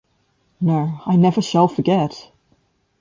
No, I never shall forget.